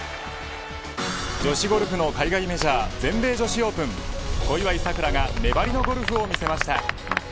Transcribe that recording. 女子ゴルフの海外メジャー全米女子オープン小祝さくらが粘りのゴルフを見せました。